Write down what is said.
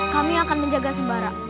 kami akan menjaga sembara